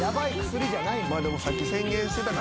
でもさっき宣言してたからな。